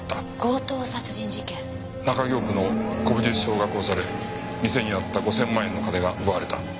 中京区の古美術商が殺され店にあった５千万円の金が奪われた。